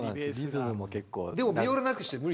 リズムも結構。